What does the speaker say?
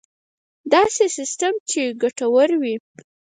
داسې سیستم چې ګټور وي.